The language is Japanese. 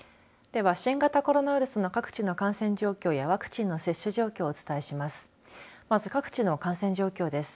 では、新型コロナウイルスの各地の感染状況やワクチンの接種状況をお伝えします。